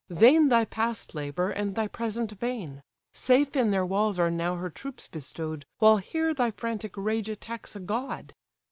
Vain thy past labour, and thy present vain: Safe in their walls are now her troops bestow'd, While here thy frantic rage attacks a god."